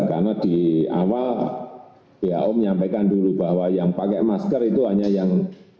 karena di awal ya om menyampaikan dulu bahwa yang pakai masker itu hanya yang